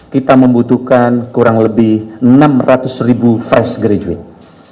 kita membutuhkan kurang lebih enam ratus ribu fresh graduate